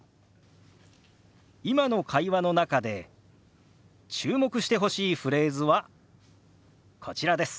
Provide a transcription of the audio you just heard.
今の会話の中で注目してほしいフレーズはこちらです。